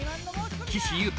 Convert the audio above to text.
［岸優太